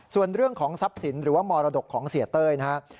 ส่วนเรื่องของทรัพย์สินหรือว่ามรดกของเสียเต้ยนะครับ